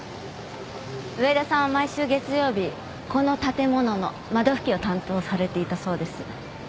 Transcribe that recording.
上田さんは毎週月曜日この建物の窓拭きを担当されていたそうです。